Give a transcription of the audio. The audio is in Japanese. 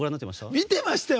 見ていましたよ！